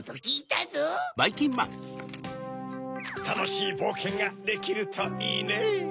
たのしいぼうけんができるといいねぇ。